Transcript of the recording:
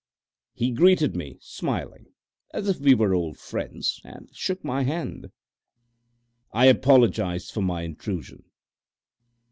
He greeted me smiling, as if we were old friends, and shook my hand. I apologised for my intrusion.